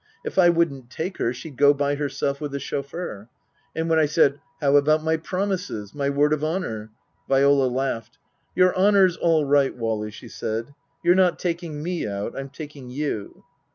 If I wouldn't take her she'd go by herself with the chauffeur. And when I said, How about my promises my word of honour ? Viola laughed. " Your honour's all right, Wally," she said. " You're not taking me out ; I'm taking you."